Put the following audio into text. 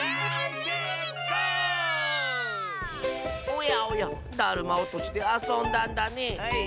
おやおやだるまおとしであそんだんだね。